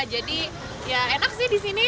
jadi ya enak sih disini